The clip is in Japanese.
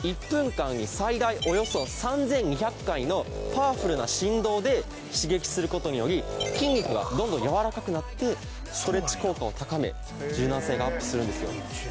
１分間に最大およそ３２００回のパワフルな振動で刺激する事により筋肉がどんどんやわらかくなってストレッチ効果を高め柔軟性がアップするんですよ。